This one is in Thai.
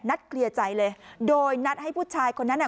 เคลียร์ใจเลยโดยนัดให้ผู้ชายคนนั้นอ่ะ